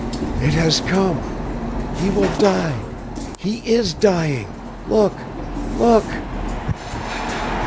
"It has come! He will die he is dying. Look, look!"